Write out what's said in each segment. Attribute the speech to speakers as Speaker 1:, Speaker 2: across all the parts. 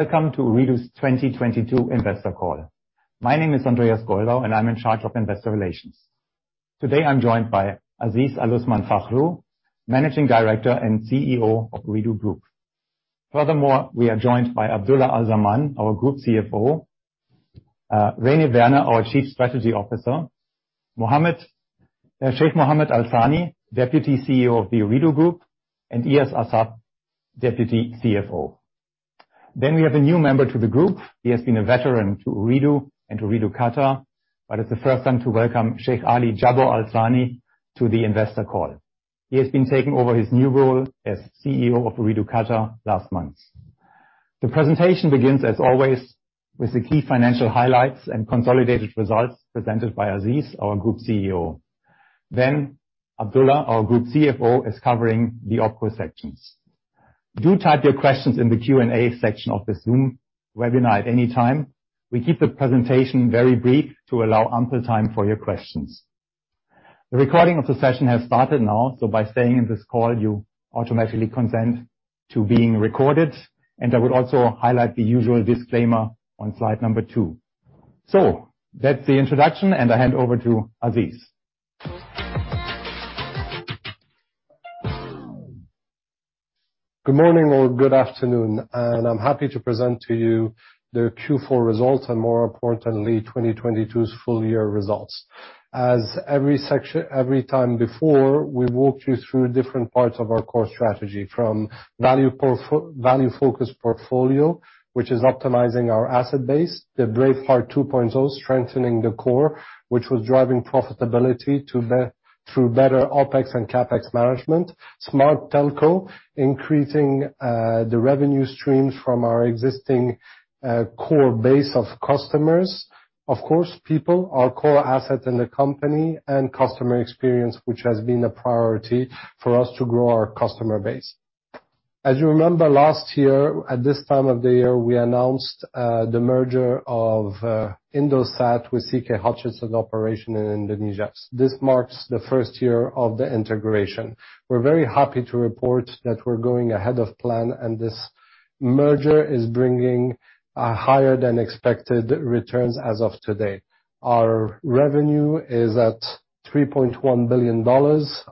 Speaker 1: Welcome to Ooredoo's 2022 investor call. My name is Andreas Goldau, and I'm in charge of investor relations. Today, I'm joined by Aziz Aluthman Fakhroo, Managing Director and CEO of Ooredoo Group. Furthermore, we are joined by Abdulla Al Zaman, our Group CFO, René Werner, our Chief Strategy Officer, Sheikh Mohammed Bin Abdulla Al Thani, Deputy CEO of the Ooredoo Group, and Eyas Assaf, Deputy CFO. We have a new member to the group. He has been a veteran to Ooredoo and Ooredoo Qatar, but it's the first time to welcome Sheikh Ali Bin Jabor Al Thani to the investor call. He has been taking over his new role as CEO of Ooredoo Qatar last month. The presentation begins, as always, with the key financial highlights and consolidated results presented by Aziz, our Group CEO. Abdulla, our Group CFO, is covering the opera sections. Do type your questions in the Q&A section of the Zoom webinar at any time. We keep the presentation very brief to allow ample time for your questions. The recording of the session has started now, so by staying in this call, you automatically consent to being recorded. I would also highlight the usual disclaimer on slide number two. That's the introduction, and I hand over to Aziz.
Speaker 2: Good morning or good afternoon. I'm happy to present to you the Q4 results and more importantly, 2022's full year results. As every time before, we walked you through different parts of our core strategy from value focused portfolio, which is optimizing our asset base. The Braveheart 2.0, strengthening the core, which was driving profitability through better OpEx and CapEx management. Smart Telco, increasing the revenue streams from our existing core base of customers. Of course, people, our core asset in the company, and customer experience, which has been a priority for us to grow our customer base. As you remember, last year, at this time of the year, we announced the merger of Indosat with CK Hutchison operation in Indonesia. This marks the first year of the integration. We're very happy to report that we're going ahead of plan, and this merger is bringing higher than expected returns as of today. Our revenue is at $3.1 billion.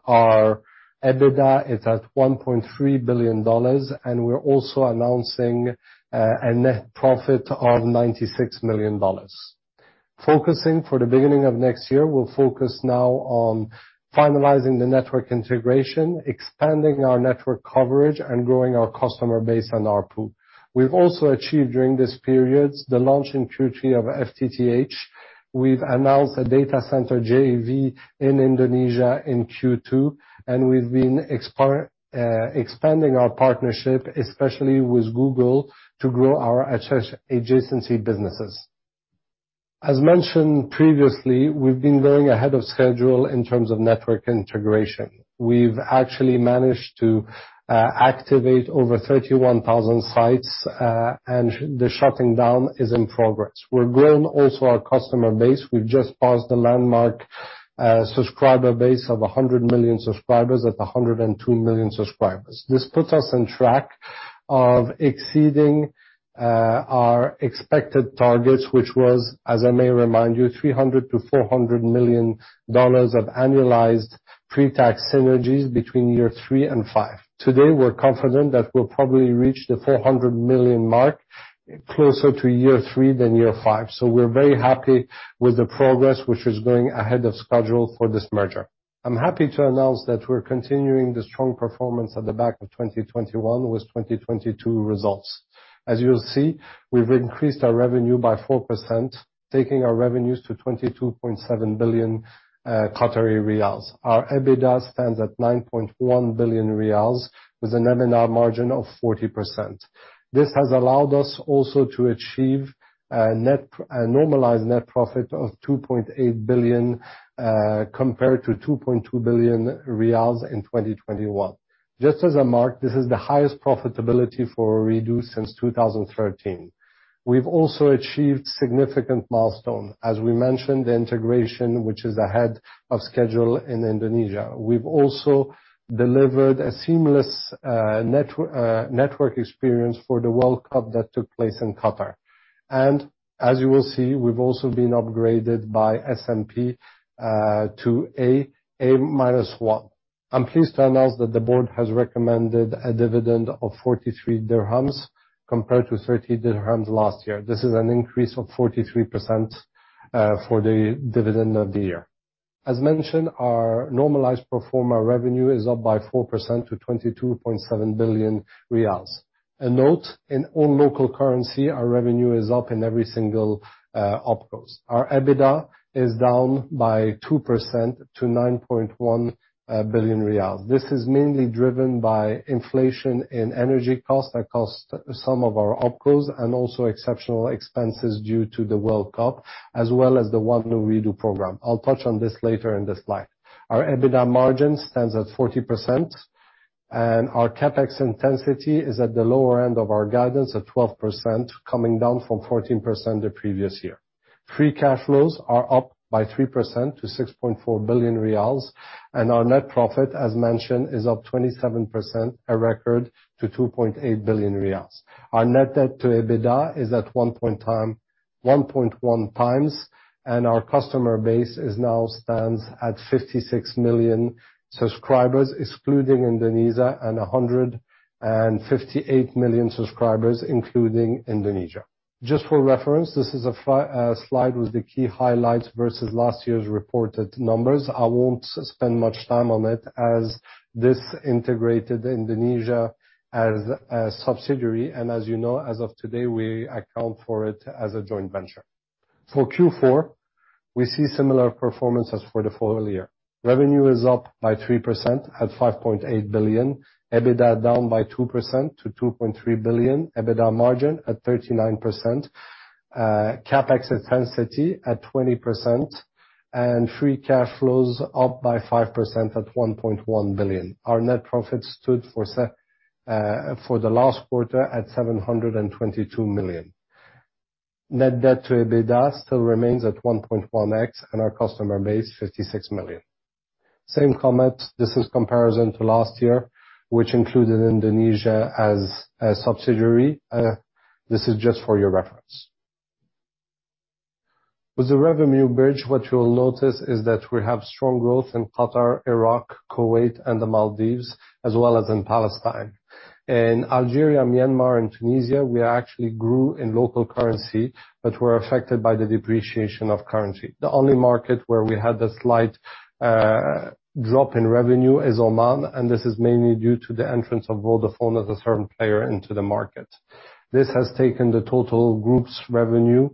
Speaker 2: Our EBITDA is at $1.3 billion, and we're also announcing a net profit of $96 million. Focusing for the beginning of next year, we'll focus now on finalizing the network integration, expanding our network coverage and growing our customer base and ARPU. We've also achieved during this periods the launch in Q3 of FTTH. We've announced a data center JV in Indonesia in Q2, and we've been expanding our partnership, especially with Google, to grow our adjacencies businesses. As mentioned previously, we've been going ahead of schedule in terms of network integration. We've actually managed to activate over 31,000 sites, and the shutting down is in progress. We're growing also our customer base. We've just passed the landmark subscriber base of 100 million subscribers at 102 million subscribers. This puts us on track of exceeding our expected targets, which was, as I may remind you, $300 million-$400 million of annualized pre-tax synergies between year three and five. Today, we're confident that we'll probably reach the $400 million mark closer to year three than year five. We're very happy with the progress which is going ahead of schedule for this merger. I'm happy to announce that we're continuing the strong performance at the back of 2021 with 2022 results. As you'll see, we've increased our revenue by 4%, taking our revenues to 22.7 billion Qatari riyals. Our EBITDA stands at 9.1 billion riyals with an EBITDA margin of 40%. This has allowed us also to achieve a normalized net profit of 2.8 billion compared to 2.2 billion riyals in 2021. Just as a mark, this is the highest profitability for Ooredoo since 2013. We've also achieved significant milestone. As we mentioned, the integration which is ahead of schedule in Indonesia. We've also delivered a seamless network experience for the World Cup that took place in Qatar. As you will see, we've also been upgraded by S&P to A minus one. I'm pleased to announce that the board has recommended a dividend of QAR 43 compared to QAR 30 last year. This is an increase of 43% for the dividend of the year. As mentioned, our normalized pro forma revenue is up by 4% to 22.7 billion riyals. A note, in all local currency, our revenue is up in every single OpCos. Our EBITDA is down by 2% to 9.1 billion riyals. This is mainly driven by inflation in energy costs that cost some of our OpCos, and also exceptional expenses due to the World Cup, as well as the OneOoredoo programe. I'll touch on this later in the slide. Our EBITDA margin stands at 40% and our CapEx intensity is at the lower end of our guidance at 12%, coming down from 14% the previous year. Free cash flows are up by 3% to 6.4 billion riyals, and our net profit, as mentioned, is up 27%, a record, to 2.8 billion riyals. Our Net Debt to EBITDA is at 1.1x, and our customer base is now stands at 56 million subscribers excluding Indonesia, and 158 million subscribers including Indonesia. Just for reference, this is a slide with the key highlights versus last year's reported numbers. I won't spend much time on it as this integrated Indonesia as a subsidiary. As you know, as of today, we account for it as a joint venture. For Q4, we see similar performance as for the full year. Revenue is up by 3% at 5.8 billion. EBITDA down by 2% to 2.3 billion. EBITDA margin at 39%. CapEx intensity at 20%. Free cash flows up by 5% at 1.1 billion. Our net profit stood for the last quarter at 722 million. Net debt to EBITDA still remains at 1.1x, and our customer base 56 million. Same comment, this is comparison to last year, which included Indonesia as a subsidiary. This is just for your reference. With the revenue bridge, what you'll notice is that we have strong growth in Qatar, Iraq, Kuwait, and the Maldives, as well as in Palestine. In Algeria, Myanmar and Tunisia, we actually grew in local currency, but were affected by the depreciation of currency. The only market where we had a slight drop in revenue is Oman. This is mainly due to the entrance of Vodafone as a certain player into the market. This has taken the total group's revenue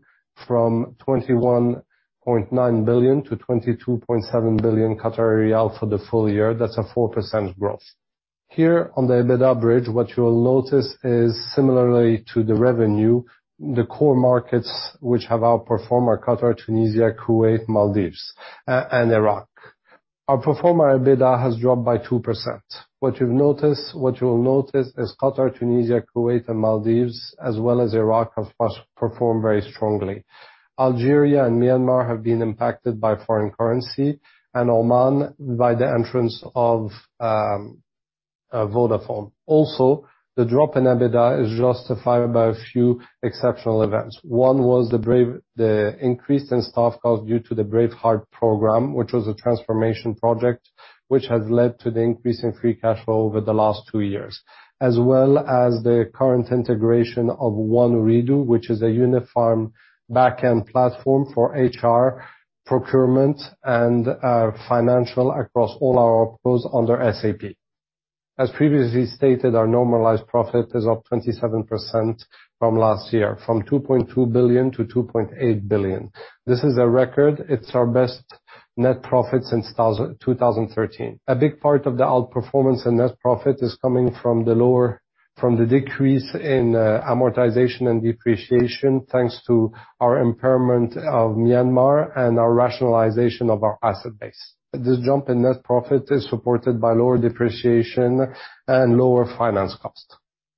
Speaker 2: from 21.9 billion to 22.7 billion for the full year. That's a 4% growth. On the EBITDA bridge, what you will notice is similarly to the revenue, the core markets which have outperformed are Qatar, Tunisia, Kuwait, Maldives, and Iraq. Our pro forma EBITDA has dropped by 2%. What you'll notice is Qatar, Tunisia, Kuwait, and Maldives, as well as Iraq, have performed very strongly. Algeria and Myanmar have been impacted by foreign currency, and Oman by the entrance of Vodafone. The drop in EBITDA is justified by a few exceptional events. One was the increase in staff cost due to the Braveheart program, which was a transformation project, which has led to the increase in Free Cash Flow over the last 2 years, as well as the current integration of OneOoredoo, which is a uniform back-end platform for HR, procurement, and financial across all our OpCos under SAP. Previously stated, our normalized profit is up 27% from last year, from 2.2 billion-2.8 billion. This is a record. It's our best net profit since 2013. Big part of the outperformance in net profit is coming from the decrease in amortization and depreciation, thanks to our impairment of Myanmar and our rationalization of our asset base. This jump in net profit is supported by lower depreciation and lower finance cost.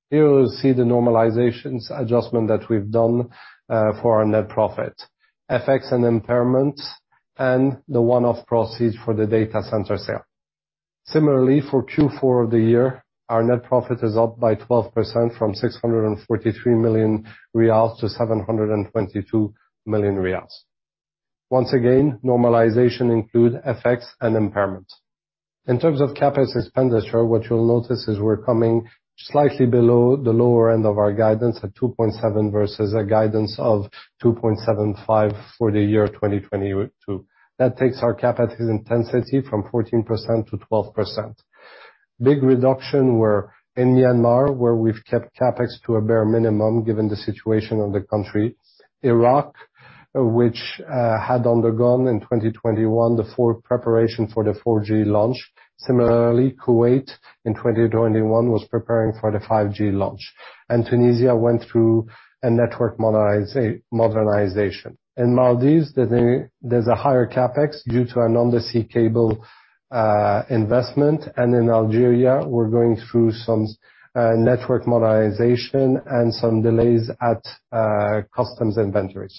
Speaker 2: Here we see the normalizations adjustment that we've done for our net profit, FX and impairments, and the one-off proceeds for the data center sale. For Q4 of the year, our net profit is up by 12% from 643 million riyals to 722 million riyals. Once again, normalization include FX and impairments. In terms of CapEx expenditure, what you'll notice is we're coming slightly below the lower end of our guidance at 2.7 versus a guidance of 2.75 for the year 2022. That takes our CapEx intensity from 14% to 12%. Big reduction were in Myanmar, where we've kept CapEx to a bare minimum given the situation of the country. Iraq, which had undergone in 2021 the preparation for the 4G launch. Similarly, Kuwait in 2021 was preparing for the 5G launch. Tunisia went through a network modernization. In Maldives, the there's a higher CapEx due to an undersea cable investment. In Algeria, we're going through some network modernization and some delays at customs and vendors.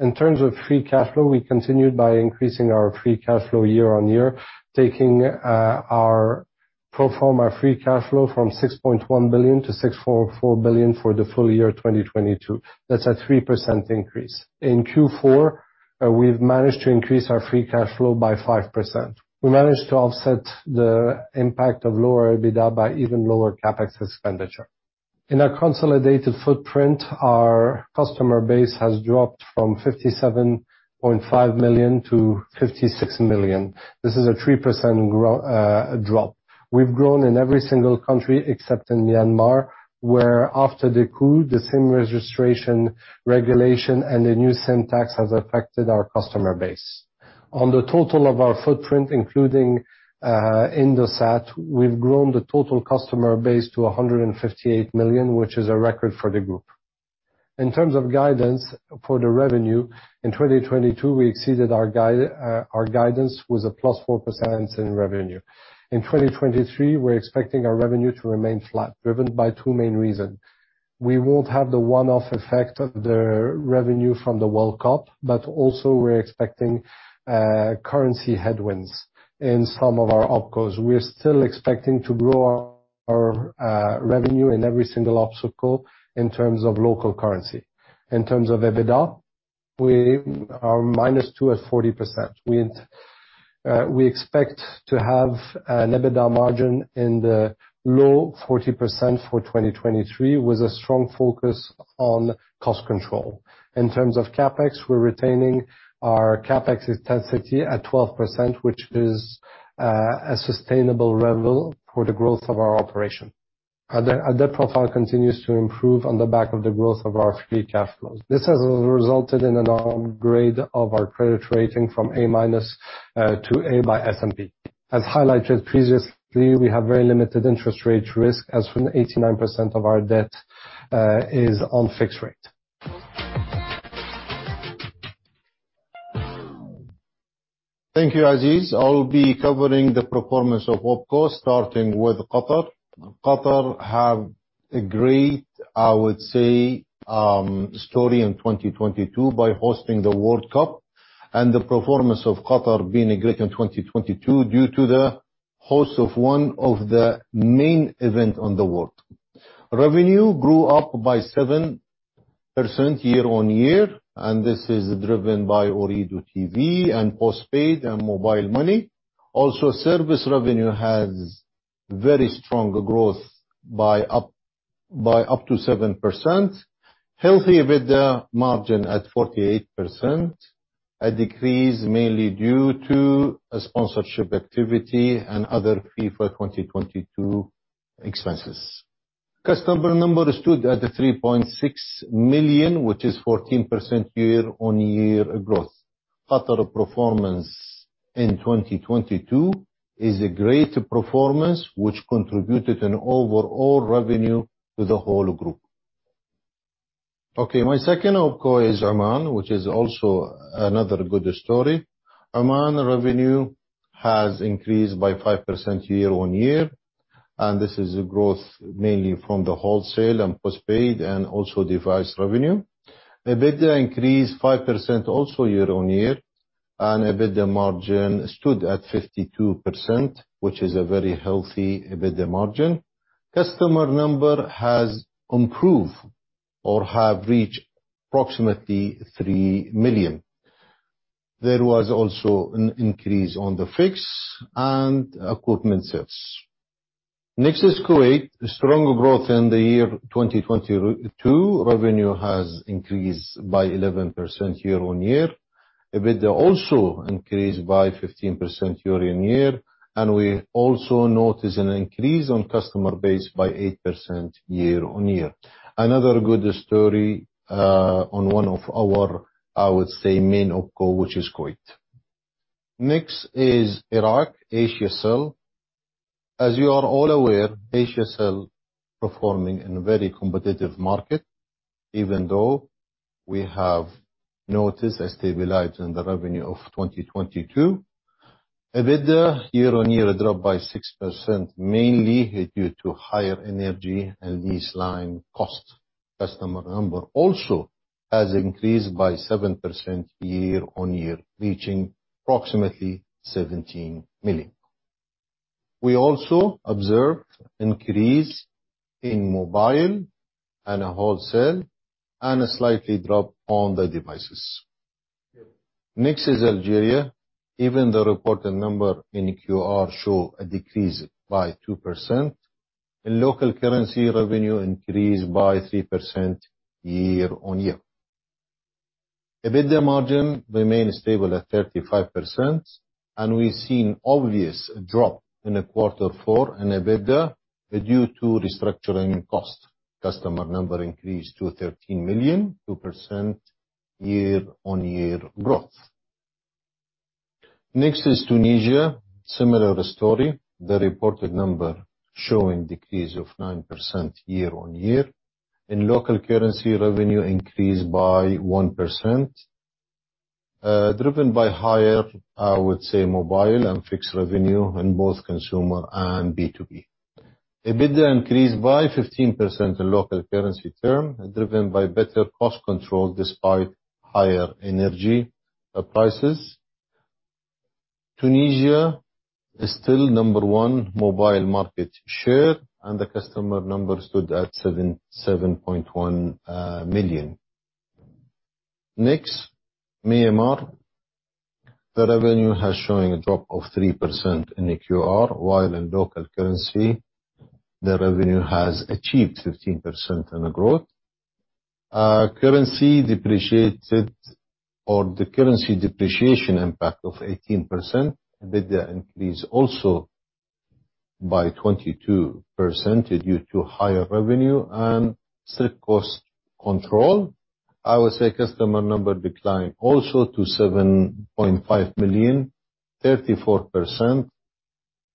Speaker 2: In terms of Free Cash Flow, we continued by increasing our Free Cash Flow year-over-year, taking our pro forma Free Cash Flow from $6.1 billion to $6.4 billion for the full year 2022. That's a 3% increase. In Q4, we've managed to increase our Free Cash Flow by 5%. We managed to offset the impact of lower EBITDA by even lower CapEx expenditure. In our consolidated footprint, our customer base has dropped from $57.5 million to $56 million. This is a 3% drop. We've grown in every single country except in Myanmar, where after the coup, the SIM registration regulation and the new SIM tax has affected our customer base. On the total of our footprint, including Indosat, we've grown the total customer base to 158 million, which is a record for the group. In terms of guidance for the revenue, in 2022, we exceeded our guidance with a +4% in revenue. In 2023, we're expecting our revenue to remain flat, driven by two main reason. We won't have the one-off effect of the revenue from the World Cup, but also we're expecting currency headwinds in some of our OpCos. We're still expecting to grow Our revenue in every single obstacle in terms of local currency. In terms of EBITDA, we are -2 at 40%. We expect to have an EBITDA margin in the low 40% for 2023, with a strong focus on cost control. In terms of CapEx, we're retaining our CapEx intensity at 12%, which is a sustainable level for the growth of our operation. Our debt profile continues to improve on the back of the growth of our free cash flows. This has resulted in an upgrade of our credit rating from A- to A by S&P. As highlighted previously, we have very limited interest rate risk as from 89% of our debt is on fixed rate.
Speaker 3: Thank you, Aziz. I'll be covering the performance of OpCos, starting with Qatar. Qatar have a great, I would say, story in 2022 by hosting the World Cup, and the performance of Qatar being great in 2022 due to the host of one of the main event on the world. Revenue grew up by 7% year-on-year, and this is driven by Ooredoo tv and postpaid and mobile money. Service revenue has very strong growth by up to 7%. Healthy EBITDA margin at 48%, a decrease mainly due to a sponsorship activity and other FIFA 2022 expenses. Customer numbers stood at a 3.6 million, which is 14% year-on-year growth. Qatar performance in 2022 is a great performance which contributed an overall revenue to the whole group. Okay. My second OpCos is Oman, which is also another good story. Oman revenue has increased by 5% year-on-year. This is growth mainly from the wholesale and postpaid and also device revenue. EBITDA increased 5% also year-on-year. EBITDA margin stood at 52%, which is a very healthy EBITDA margin. Customer number has improved or have reached approximately 3 million. There was also an increase on the fixed and equipment sales. Next is Kuwait. Strong growth in the year 2022. Revenue has increased by 11% year-on-year. EBITDA also increased by 15% year-on-year. We also notice an increase on customer base by 8% year-on-year. Another good story on one of our, I would say, main OpCos, which is Kuwait. Next is Iraq, Asiacell. As you are all aware, Asiacell performing in a very competitive market, even though we have noticed a stabilize in the revenue of 2022. EBITDA year-on-year drop by 6%, mainly due to higher energy and lease line costs. Customer number also has increased by 7% year-on-year, reaching approximately 17 million. We also observed increase in mobile and wholesale and a slightly drop on the devices. Algeria. The reported number in QAR show a decrease by 2%. In local currency, revenue increased by 3% year-on-year. EBITDA margin remained stable at 35%, we've seen obvious drop in the quarter four in EBITDA due to restructuring costs. Customer number increased to 13 million, 2% year-on-year growth. Tunisia. Similar story. The reported number showing decrease of 9% year-on-year. In local currency, revenue increased by 1%, driven by higher, I would say, mobile and fixed revenue in both consumer and B2B. EBITDA increased by 15% in local currency term, driven by better cost control despite higher energy prices. Tunisia is still number one mobile market share, and the customer numbers stood at 7.1 million. Next, Myanmar. The revenue has showing a drop of 3% in QAR, while in local currency, the revenue has achieved 15% in growth. Currency depreciated or the currency depreciation impact of 18%. EBITDA increase also by 22% due to higher revenue and strict cost control. I would say customer number decline also to 7.5 million, 34%.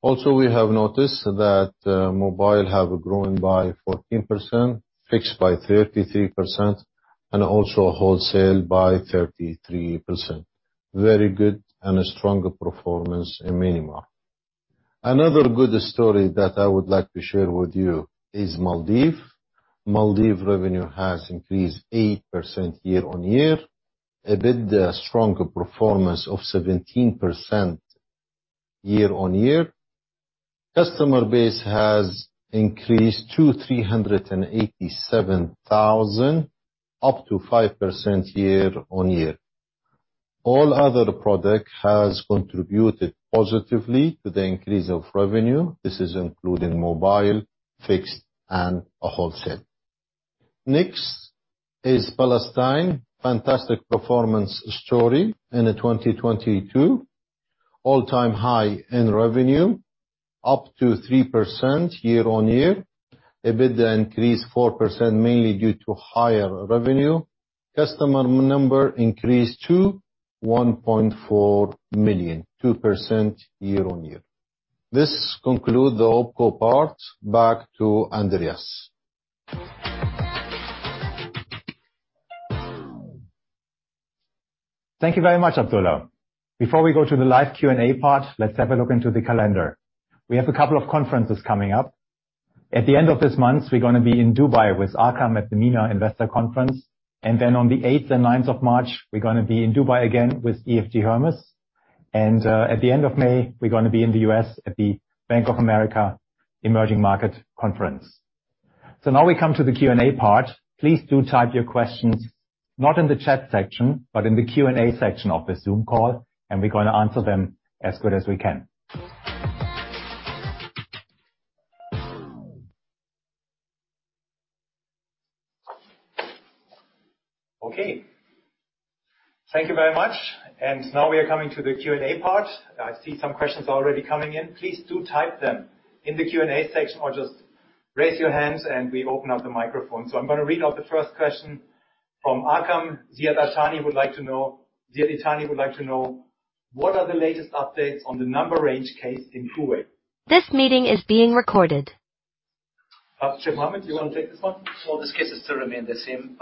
Speaker 3: Also, we have noticed that mobile have grown by 14%, fixed by 33%, and also wholesale by 33%. Very good and a strong performance in Myanmar. Another good story that I would like to share with you is Maldives. Maldives revenue has increased 8% year on year, a bit stronger performance of 17% year on year. Customer base has increased to 387,000, up to 5% year on year. All other product has contributed positively to the increase of revenue. This is including mobile, fixed, and wholesale. Next is Palestine. Fantastic performance story in the 2022. All-time high in revenue, up to 3% year on year. EBITDA increased 4%, mainly due to higher revenue. Customer number increased to 1.4 million, 2% year on year. This conclude the OpCos part. Back to Andreas.
Speaker 1: Thank you very much, Abdulla. Before we go to the live Q&A part, let's have a look into the calendar. We have a couple of conferences coming up. At the end of this month, we're gonna be in Dubai with Arqaam at MENA Investor Conference. Then on the eighth and ninth of March, we're gonna be in Dubai again with EFG Hermes. At the end of May, we're gonna be in the U.S. at the Bank of America Emerging Market Conference. Now we come to the Q&A part. Please do type your questions, not in the chat section, but in the Q&A section of the Zoom call, and we're gonna answer them as good as we can. Okay. Thank you very much. Now we are coming to the Q&A part. I see some questions already coming in. Please do type them in the Q&A section or just raise your hands and we open up the microphone. I'm gonna read out the first question from Arqaam. Ziad Itani would like to know, what are the latest updates on the number range case in Kuwait? This meeting is being recorded. Sheikh Nasser Bin, do you wanna take this one?
Speaker 4: This case still remain the same,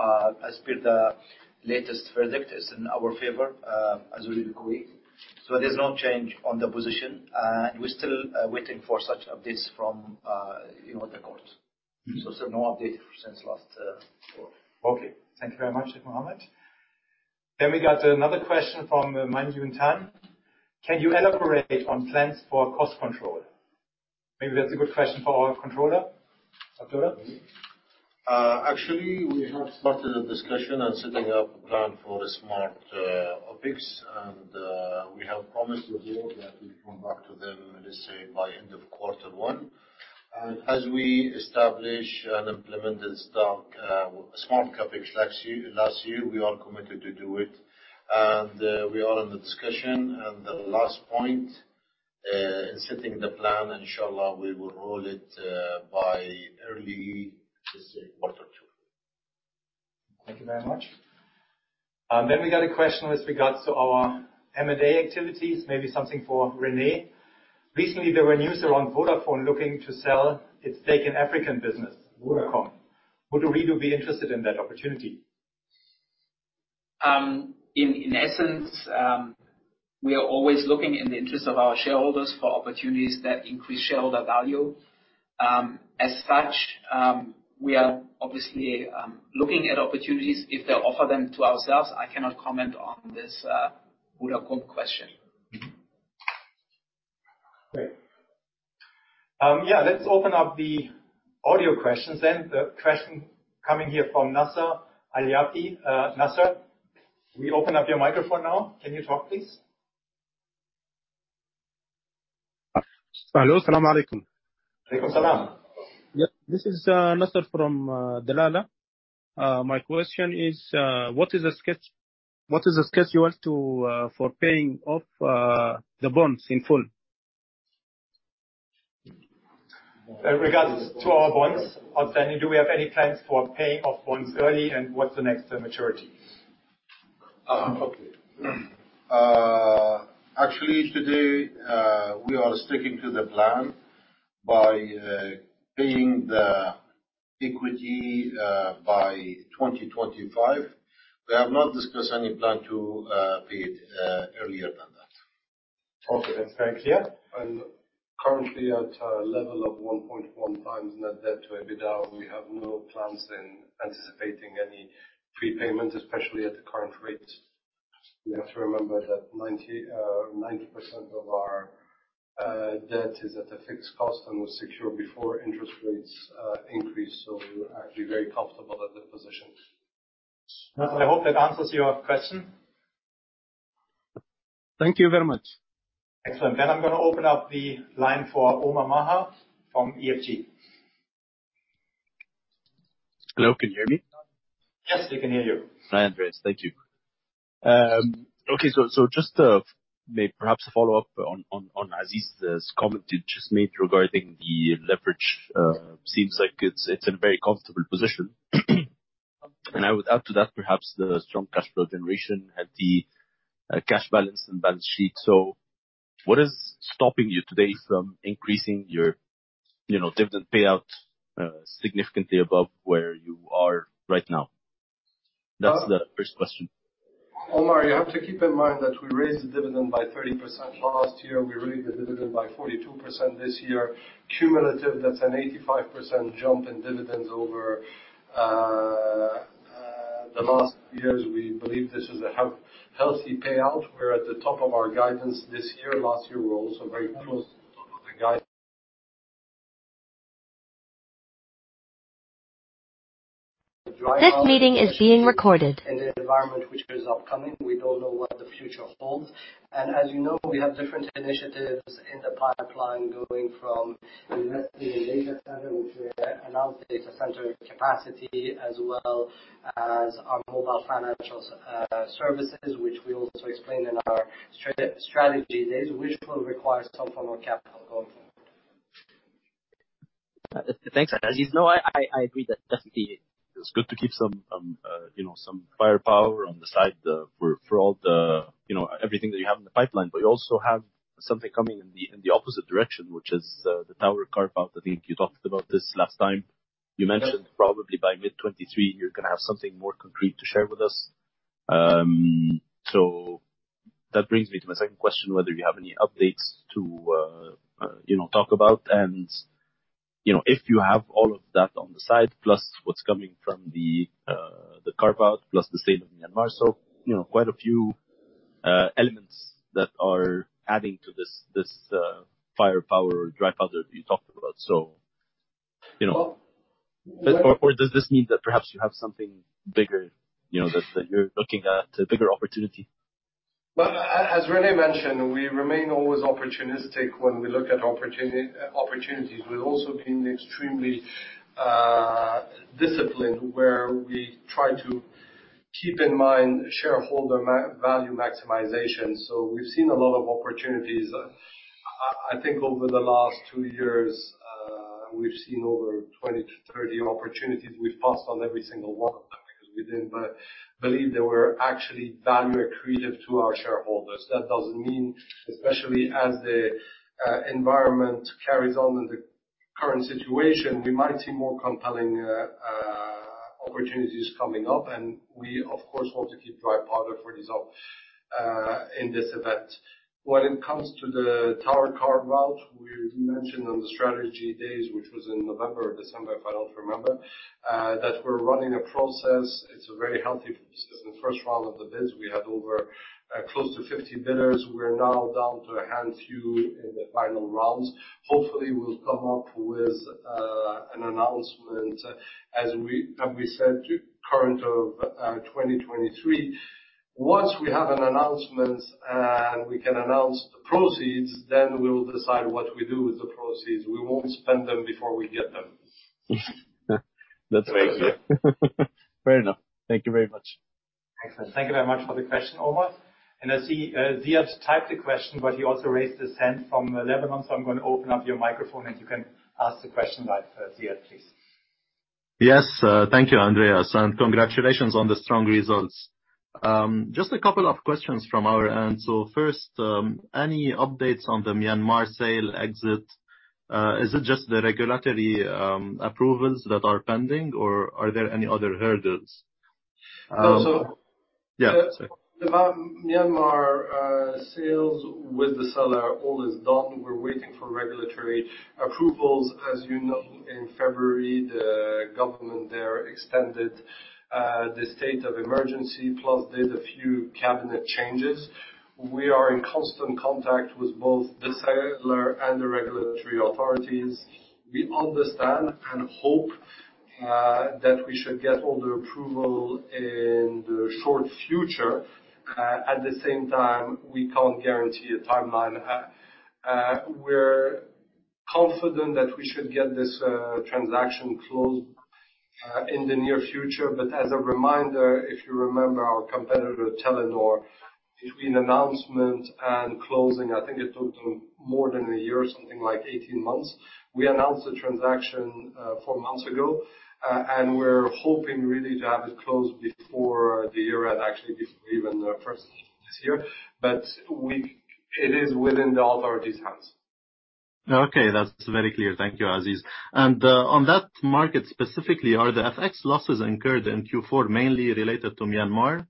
Speaker 4: as per the latest verdict is in our favor, as Ooredoo Kuwait. There's no change on the position, and we're still waiting for such updates from, you know, the court.
Speaker 1: Mm-hmm.
Speaker 4: still no update since last quarter.
Speaker 1: Okay, thank you very much, Sheikh Mohammed. We got another question from Manjun Tan. Can you elaborate on plans for cost control? Maybe that's a good question for our controller. Abdulla?
Speaker 3: Actually, we have started a discussion on setting up a plan for the smart OpEx. We have promised Ooredoo that we come back to them, let's say by end of quarter one. As we establish and implement this dark Smart CapEx last year, we are committed to do it. We are in the discussion. The last point, in setting the plan, inshallah, we will roll it by early, let's say, quarter two.
Speaker 1: Thank you very much. We got a question with regards to our M&A activities, maybe something for René. Recently there were news around Vodafone looking to sell its stake in African business, Vodacom. Would Ooredoo be interested in that opportunity?
Speaker 5: In essence, we are always looking in the interest of our shareholders for opportunities that increase shareholder value. As such, we are obviously looking at opportunities if they offer them to ourselves. I cannot comment on this Vodacom question.
Speaker 1: Great. Let's open up the audio questions then. The question coming here from Nasser Al-Sulaiti. Nasser, we open up your microphone now. Can you talk, please?
Speaker 6: Hello. Asala malikum.
Speaker 1: Walaikum asalam.
Speaker 6: This is Nasser from Dlala. My question is what is the schedule to for paying off the bonds in full?
Speaker 1: In regards to our bonds, Otmane, do we have any plans for paying off bonds early, and what's the next maturity?
Speaker 3: Okay. actually today, we are sticking to the plan by paying the equity by 2025. We have not discussed any plan to pay it earlier than that.
Speaker 1: Okay, thanks. Yeah?
Speaker 2: Currently at a level of 1.1x Net Debt to EBITDA, we have no plans in anticipating any prepayment, especially at the current rates. We have to remember that 90% of our debt is at a fixed cost and was secured before interest rates increased. We're actually very comfortable at that position.
Speaker 1: Nasser, I hope that answers your question.
Speaker 6: Thank you very much.
Speaker 1: Excellent. I'm gonna open up the line for Omar Maher from EFG.
Speaker 7: Hello, can you hear me?
Speaker 1: Yes, we can hear you.
Speaker 7: Hi, Andreas. Thank you. Okay, just may perhaps follow up on Aziz's comment you just made regarding the leverage. Seems like it's in a very comfortable position. I would add to that perhaps the strong cash flow generation and the cash balance and balance sheet. What is stopping you today from increasing your, you know, dividend payout significantly above where you are right now? That's the first question.
Speaker 2: Omar, you have to keep in mind that we raised the dividend by 30% last year. We raised the dividend by 42% this year. Cumulative, that's an 85% jump in dividends over the last years. We believe this is a healthy payout. We're at the top of our guidance this year. Last year, we were also very close to the top of the,
Speaker 8: This meeting is being recorded.
Speaker 2: In the environment which is upcoming, we don't know what the future holds. As you know, we have different initiatives in the pipeline going from investing in data center, which we announced data center capacity, as well as our mobile financial services, which we also explained in our strategy days, which will require some form of capital going forward.
Speaker 7: Thanks, Aziz. No, I agree that definitely it's good to keep some, you know, some firepower on the side, for all the, you know, everything that you have in the pipeline. You also have something coming in the opposite direction, which is the tower carve-out. I think you talked about this last time. You mentioned probably by mid 2023 you're gonna have something more concrete to share with us. That brings me to my second question, whether you have any updates to, you know, talk about. You know, if you have all of that on the side, plus what's coming from the carve-out, plus the sale of Myanmar. You know, quite a few elements that are adding to this firepower or dry powder that you talked about. So, you know-
Speaker 2: Well-
Speaker 7: Does this mean that perhaps you have something bigger, you know, that you're looking at, a bigger opportunity?
Speaker 2: Well, as René mentioned, we remain always opportunistic when we look at opportunities. We've also been extremely disciplined, where we try to keep in mind shareholder value maximization. We've seen a lot of opportunities. I think over the last two years, we've seen over 20 to 30 opportunities. We've passed on every single one of them because we didn't believe they were actually value accretive to our shareholders. That doesn't mean, especially as the environment carries on in the current situation, we might see more compelling opportunities coming up, and we of course want to keep dry powder for these in this event. When it comes to the tower carve-out, we mentioned on the strategy days, which was in November or December, if I don't remember, that we're running a process. It's a very healthy. In the first round of the bids, we had over, close to 50 bidders. We're now down to a handful in the final rounds. Hopefully, we'll come up with, an announcement as we said current of, 2023. Once we have an announcement and we can announce the proceeds, we will decide what we do with the proceeds. We won't spend them before we get them.
Speaker 7: That's fair.
Speaker 2: Thank you.
Speaker 7: Fair enough. Thank you very much.
Speaker 1: Excellent. Thank you very much for the question, Omar. I see, Ziad typed a question, but he also raised his hand from Lebanon, so I'm gonna open up your microphone, and you can ask the question live, Ziad, please.
Speaker 9: Yes. Thank you, Andreas, and congratulations on the strong results. Just a couple of questions from our end. First, any updates on the Myanmar sale exit? Is it just the regulatory approvals that are pending, or are there any other hurdles?
Speaker 2: No.
Speaker 9: Yeah. Sorry.
Speaker 2: Myanmar, sales with the seller, all is done. We're waiting for regulatory approvals. As you know, in February, the government there extended, the state of emergency, plus did a few cabinet changes. We are in constant contact with both the seller and the regulatory authorities. We understand and hope that we should get all the approval in the short future. At the same time, we can't guarantee a timeline. We're confident that we should get this transaction closed in the near future. As a reminder, if you remember our competitor, Telenor, between announcement and closing, I think it took them more than a year, something like 18 months. We announced the transaction, 4 months ago. We're hoping really to have it closed before the year end, actually before even first of this year. It is within the authorities' hands.
Speaker 9: Okay. That's very clear. Thank you, Aziz. On that market specifically, are the FX losses incurred in Q4 mainly related to Myanmar?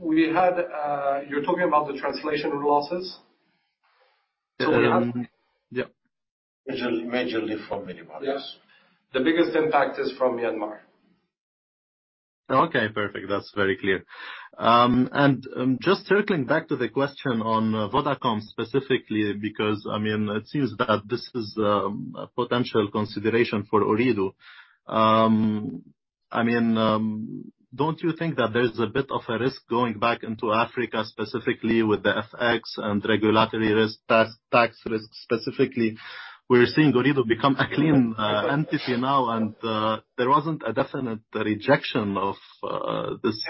Speaker 2: We had... You're talking about the translation losses?
Speaker 9: Yeah.
Speaker 3: Majorly from Myanmar.
Speaker 2: Yes. The biggest impact is from Myanmar.
Speaker 9: Okay, perfect. That's very clear. Just circling back to the question on Vodacom specifically, because, I mean, it seems that this is a potential consideration for Ooredoo. I mean, don't you think that there's a bit of a risk going back into Africa, specifically with the FX and regulatory risk, tax risk specifically? We're seeing Ooredoo become a clean entity now, and there wasn't a definite rejection of this.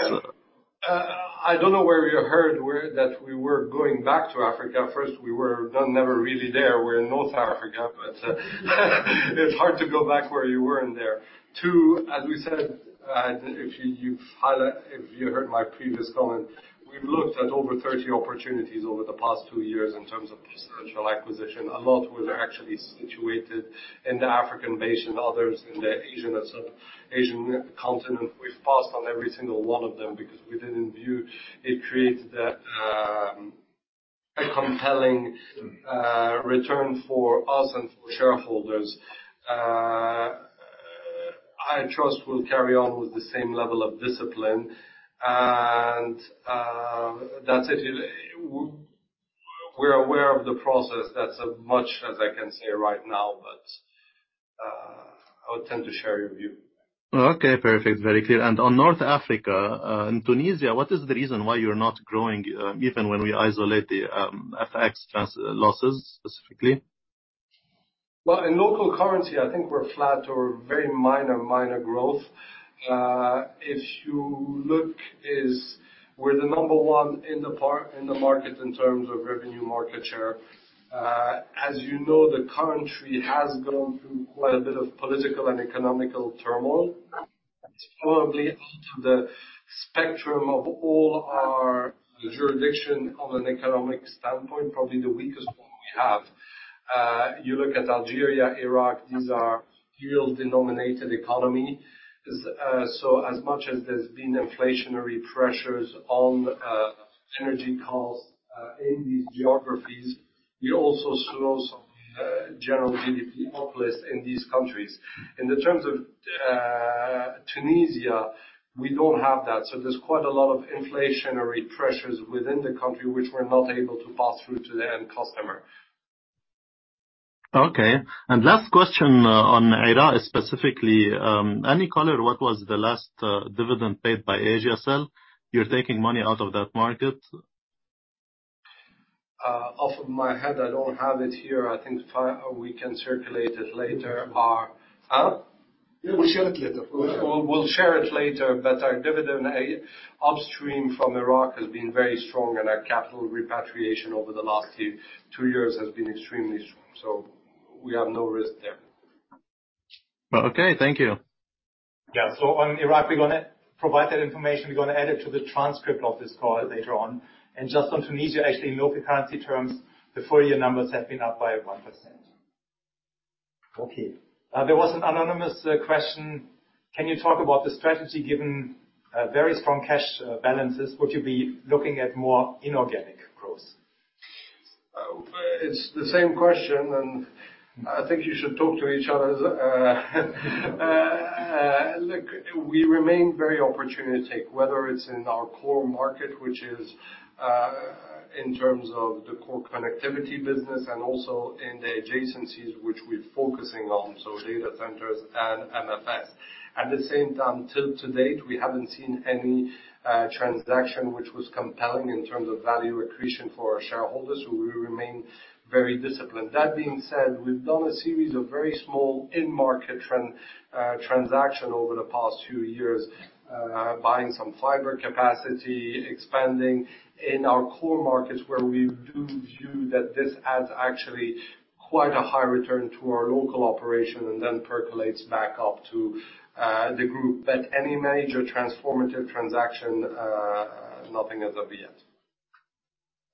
Speaker 2: I don't know where you heard that we were going back to Africa. First, we were never really there. We're in North Africa, but, it's hard to go back where you weren't there. Two, as we said, if you heard my previous comment, we've looked at over 30 opportunities over the past two years in terms of potential acquisition. A lot were actually situated in the African basin, others in the Asian and South Asian continent. We've passed on every single one of them because we didn't view it created a compelling return for us and for shareholders. I trust we'll carry on with the same level of discipline. That's it. We're aware of the process. That's as much as I can say right now, but I would tend to share your view.
Speaker 9: Okay, perfect. Very clear. On North Africa, in Tunisia, what is the reason why you're not growing, even when we isolate the FX losses specifically?
Speaker 2: Well, in local currency, I think we're flat or very minor growth. If you look is we're the number one in the market in terms of revenue market share. As you know, the country has gone through quite a bit of political and economical turmoil. It's probably out to the spectrum of all our jurisdiction from an economic standpoint, probably the weakest one we have. You look at Algeria, Iraq, these are real denominated economy. As much as there's been inflationary pressures on energy costs in these geographies, you also saw some general GDP populace in these countries. In the terms of Tunisia, we don't have that. There's quite a lot of inflationary pressures within the country which we're not able to pass through to the end customer.
Speaker 9: Okay. Last question, on Iraq specifically, any color what was the last, dividend paid by Asiacell? You're taking money out of that market.
Speaker 2: Off of my head, I don't have it here. I think we can circulate it later. Our... Huh?
Speaker 1: Yeah, we'll share it later.
Speaker 2: We'll share it later. Our dividend upstream from Iraq has been very strong and our capital repatriation over the last two years has been extremely strong. We have no risk there.
Speaker 9: Okay, thank you.
Speaker 1: On Iraq, we're gonna provide that information. We're gonna add it to the transcript of this call later on. Just on Tunisia, actually, in local currency terms, the full year numbers have been up by 1%.
Speaker 2: Okay.
Speaker 1: There was an anonymous question. Can you talk about the strategy given very strong cash balances? Would you be looking at more inorganic growth?
Speaker 2: It's the same question, and I think you should talk to each other. We remain very opportunistic, whether it's in our core market, which is in terms of the core connectivity business and also in the adjacencies which we're focusing on, so data centers and MFS. At the same time, till to date, we haven't seen any transaction which was compelling in terms of value accretion for our shareholders, so we remain very disciplined. That being said, we've done a series of very small in-market transaction over the past two years, buying some fiber capacity, expanding in our core markets where we do view that this adds actually quite a high return to our local operation and then percolates back up to the group. Any major transformative transaction, nothing as of yet.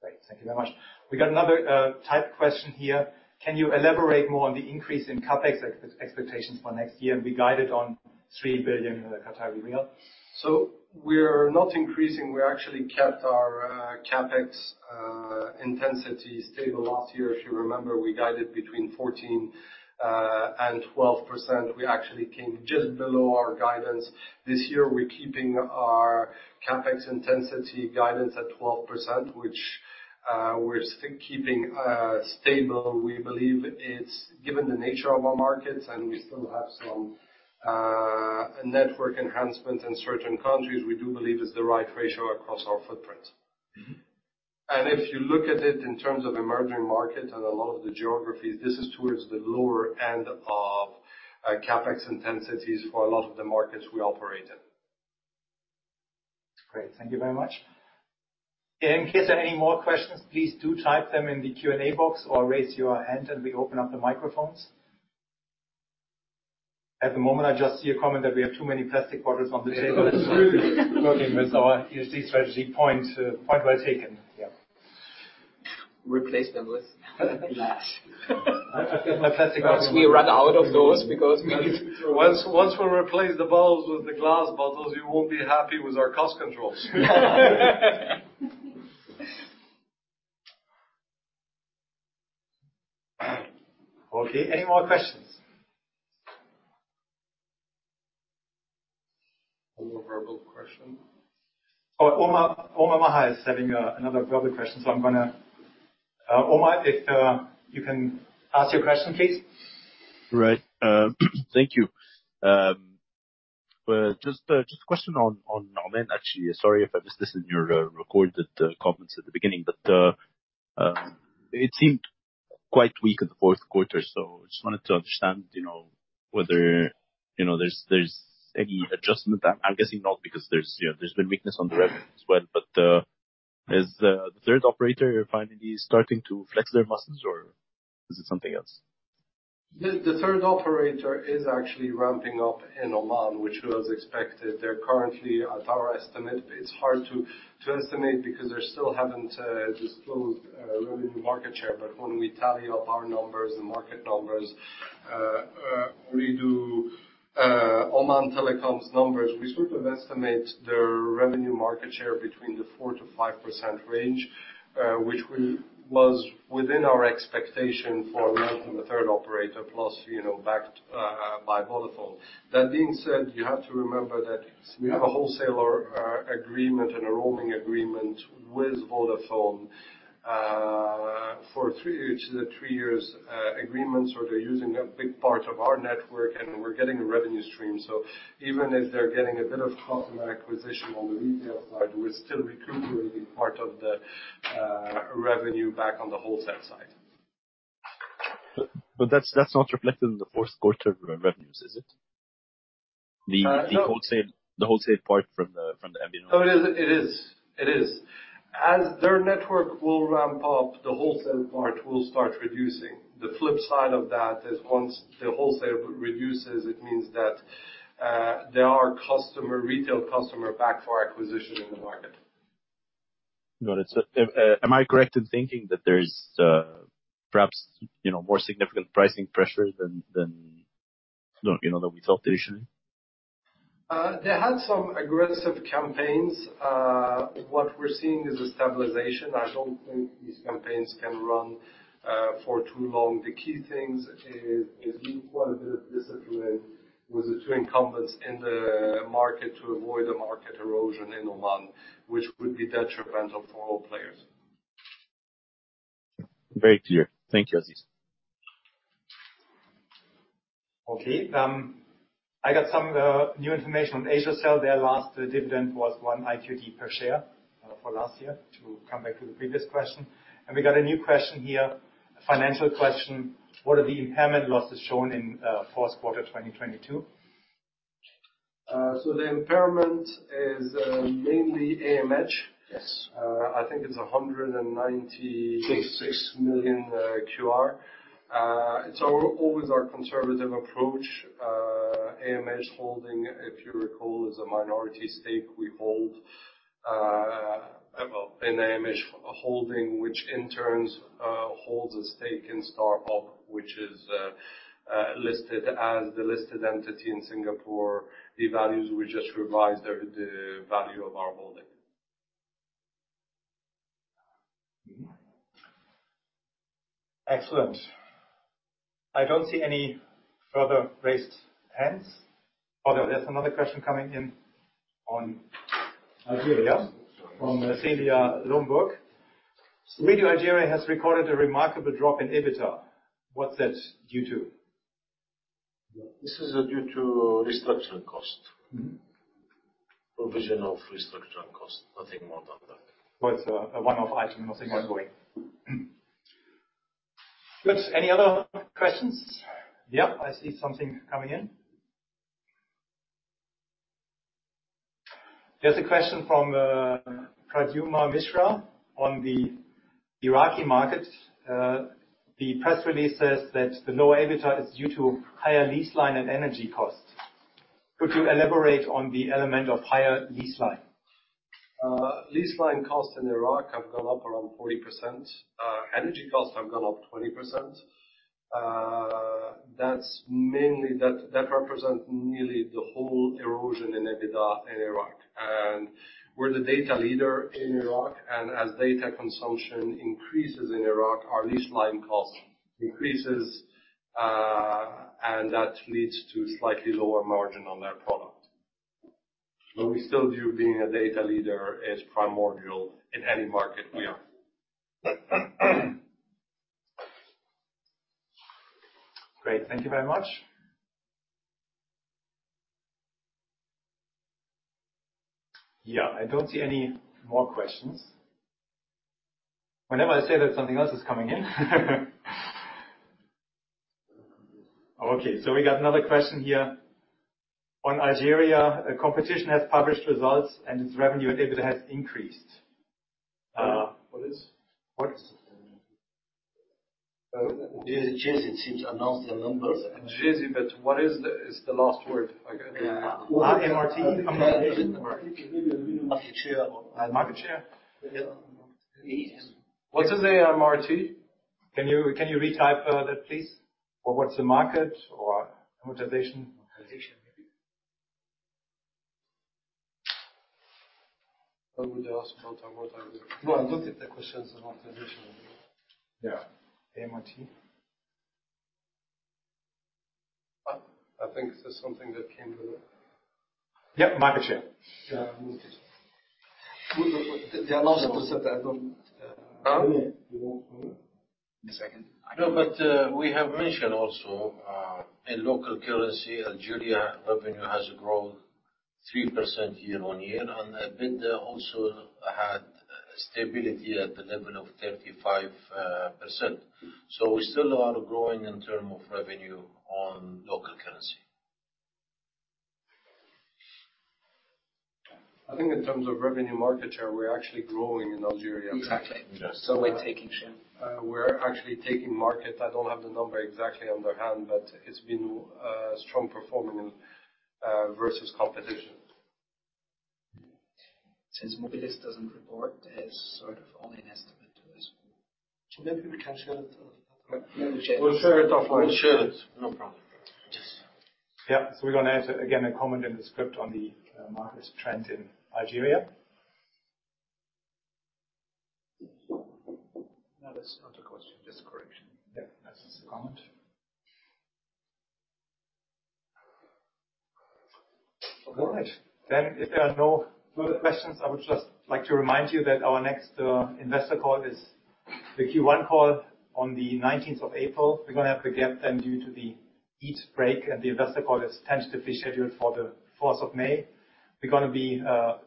Speaker 1: Great. Thank you very much. We got another, typed question here. Can you elaborate more on the increase in CapEx expectations for next year and be guided on 3 billion?
Speaker 2: We're not increasing. We actually kept our CapEx intensity stable last year. If you remember, we guided between 14% and 12%. We actually came just below our guidance. This year, we're keeping our CapEx intensity guidance at 12%, which we're keeping stable. We believe it's, given the nature of our markets, and we still have some network enhancement in certain countries, we do believe it's the right ratio across our footprint.
Speaker 1: Mm-hmm.
Speaker 2: If you look at it in terms of emerging markets and a lot of the geographies, this is towards the lower end of CapEx intensities for a lot of the markets we operate in.
Speaker 1: Great. Thank you very much. In case there are any more questions, please do type them in the Q&A box or raise your hand and we open up the microphones. At the moment, I just see a comment that we have too many plastic bottles on the table.
Speaker 2: That's true.
Speaker 1: Working with our ESG strategy point well taken. Yeah.
Speaker 3: Replace them with glass.
Speaker 2: My plastic bottles.
Speaker 1: Once we run out of those because.
Speaker 2: Once we replace the bottles with the glass bottles, you won't be happy with our cost controls.
Speaker 1: Okay. Any more questions?
Speaker 7: One more verbal question.
Speaker 1: Oh, Omar Maher is having another verbal question. Omar, if you can ask your question, please.
Speaker 7: Right. Thank you. Just a question on Oman actually. Sorry if I missed this in your recorded comments at the beginning, it seemed quite weak in the fourth quarter. Just wanted to understand, you know, whether, you know, there's any adjustment. I'm guessing not because there's, yeah, there's been weakness on the revenue as well. Is the third operator finally starting to flex their muscles or is it something else?
Speaker 2: The third operator is actually ramping up in Oman, which was expected. They're currently, at our estimate. It's hard to estimate because they still haven't disclosed revenue market share. When we tally up our numbers and market numbers, we do Oman Telecom's numbers, we sort of estimate their revenue market share between the 4%-5% range, which was within our expectation for the third operator plus, you know, backed by Vodafone. That being said, you have to remember that we have a wholesaler agreement and a roaming agreement with Vodafone for three years. The three years agreement. They're using a big part of our network, and we're getting a revenue stream. Even if they're getting a bit of customer acquisition on the retail side, we're still recuperating part of the revenue back on the wholesale side.
Speaker 7: That's not reflected in the fourth quarter revenues, is it?
Speaker 2: No.
Speaker 7: The wholesale part from the QNBN.
Speaker 2: No, it is. It is. It is. As their network will ramp up, the wholesale part will start reducing. The flip side of that is once the wholesale reduces, it means that there are retail customer back for acquisition in the market.
Speaker 7: No, that's, am I correct in thinking that there's, perhaps, you know, more significant pricing pressures than, you know, the retail traditionally?
Speaker 2: They had some aggressive campaigns. What we're seeing is a stabilization. I don't think these campaigns can run for too long. The key things is, we've quite a bit of discipline with the two incumbents in the market to avoid a market erosion in Oman, which would be detrimental for all players.
Speaker 7: Very clear. Thank you, Aziz.
Speaker 1: Okay. I got some new information on Asiacell. Their last dividend was one IQD per share for last year to come back to the previous question. We got a new question here, financial question: what are the impairment losses shown in fourth quarter 2022?
Speaker 2: The impairment is mainly AMH.
Speaker 1: Yes.
Speaker 2: I think it's a hundred and ninety-.
Speaker 1: Six.
Speaker 2: -6 million QAR. Always our conservative approach. AMH Holding, if you recall, is a minority stake we hold in AMH Holding, which in turn, holds a stake in StarHub, which is listed as the listed entity in Singapore. The values, we just revised the value of our holding.
Speaker 1: Mm-hmm. Excellent. I don't see any further raised hands. There's another question coming in on Algeria from Celia Lomburg.
Speaker 2: Sorry.
Speaker 1: Algeria has recorded a remarkable drop in EBITDA. What's that due to?
Speaker 2: This is due to restructuring costs.
Speaker 1: Mm-hmm.
Speaker 2: Provision of restructuring costs. Nothing more than that.
Speaker 1: It's a one-off item. Nothing ongoing.
Speaker 2: Yeah.
Speaker 1: Good. Any other questions? Yeah, I see something coming in. There's a question from Praduma Mishra on the Iraqi market. The press release says that the lower EBITDA is due to higher lease line and energy costs. Could you elaborate on the element of higher lease line?
Speaker 2: Lease line costs in Iraq have gone up around 40%. Energy costs have gone up 20%. That represents nearly the whole erosion in EBITDA in Iraq. We're the data leader in Iraq, and as data consumption increases in Iraq, our lease line cost increases, and that leads to slightly lower margin on that product. We still view being a data leader as primordial in any market we are.
Speaker 1: Great. Thank you very much. Yeah, I don't see any more questions. Whenever I say that, something else is coming in. Okay, we got another question here on Algeria. A competition has published results and its revenue EBITDA has increased.
Speaker 2: What is?
Speaker 1: What?
Speaker 2: Zain it seems announced their numbers.
Speaker 1: Zain, what is the last word?
Speaker 2: market share.
Speaker 1: Market share?
Speaker 2: Yeah.
Speaker 1: What is the MRT? Can you retype that please? What's the market or amortization?
Speaker 2: Amortization, maybe. Why would they ask about amortization?
Speaker 1: No, I looked at the questions amortization.
Speaker 2: Yeah.
Speaker 1: MRT.
Speaker 2: I think there's something that came through.
Speaker 1: Yep, market share.
Speaker 2: Yeah, market share.
Speaker 1: They announced also that I don't...
Speaker 2: Huh?
Speaker 1: Just a second.
Speaker 2: We have mentioned also, in local currency, Algeria revenue has grown 3% year-on-year. EBITDA also had stability at 11.35%. We're still a lot of growing in term of revenue on local currency.
Speaker 3: I think in terms of revenue market share, we're actually growing in Algeria.
Speaker 2: Exactly.
Speaker 1: Yes.
Speaker 2: We're taking share.
Speaker 3: We're actually taking market. I don't have the number exactly on the hand, but it's been strong performing versus competition.
Speaker 2: Since Mobilis doesn't report, it's sort of only an estimate to this.
Speaker 1: Maybe we can share that.
Speaker 2: We'll share it offline.
Speaker 3: We'll share it. No problem.
Speaker 2: Yes.
Speaker 1: We're gonna add again a comment in the script on the market's trend in Algeria.
Speaker 3: No, that's not a question. Just correction.
Speaker 1: Yeah. That's just a comment. All right. If there are no further questions, I would just like to remind you that our next investor call is the Q1 call on the nineteenth of April. We're gonna have a gap then due to the Eid break. The investor call is tentatively scheduled for the fourth of May. We're gonna be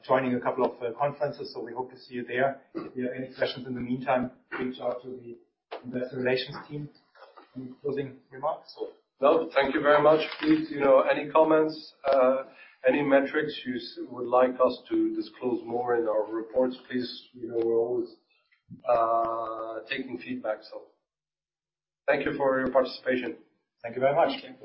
Speaker 1: joining a couple of conferences, so we hope to see you there. If you have any questions in the meantime, reach out to the investor relations team. Any closing remarks or?
Speaker 2: No. Thank you very much. Please, you know, any comments, any metrics you would like us to disclose more in our reports, please, you know we're always, taking feedback. Thank you for your participation.
Speaker 1: Thank you very much.